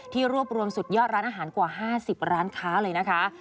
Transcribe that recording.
รวบรวมสุดยอดร้านอาหารกว่า๕๐ร้านค้าเลยนะคะ